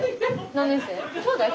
何年生？